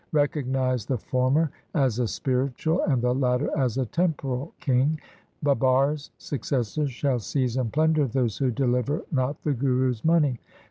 Recognize the former as a spiritual, And the latter as a temporal king. Babar's successors shall seize and plunder those Who deliver not the Guru's money.